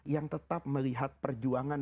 yang tetap melihat perjuangan